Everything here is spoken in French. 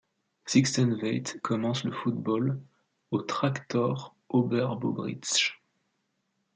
Sixten Veit commence le football aux Traktor Oberbobritzsch.